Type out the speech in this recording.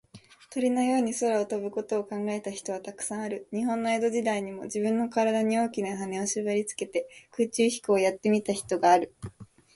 鳥のように空を飛ぶことを考えた人は、たくさんある。日本の江戸時代にも、じぶんのからだに、大きなはねをしばりつけて、空中飛行をやってみた人がある。